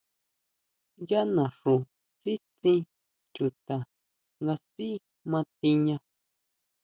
Yá naxú sitsín chuta nga sʼí ma tiña.